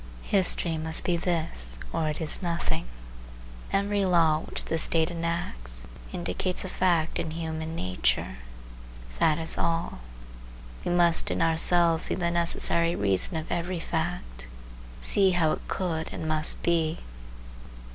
History must be this or it is nothing. Every law which the state enacts indicates a fact in human nature; that is all. We must in ourselves see the necessary reason of every fact,—see how it could and must be.